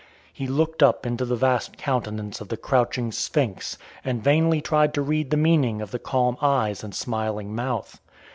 He looked up into the vast countenance of the crouching Sphinx and vainly tried to read the meaning of her calm eyes and smiling mouth.